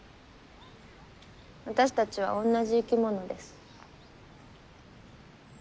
私たちは同じ生き物です。